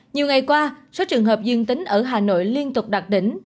nhiều ngày qua số trường hợp dương tính ở hà nội liên tục đạt đỉnh